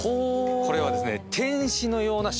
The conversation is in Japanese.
これはですね。